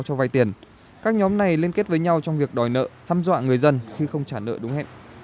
cho vay tiền các nhóm này liên kết với nhau trong việc đòi nợ hăm dọa người dân khi không trả nợ đúng hẹn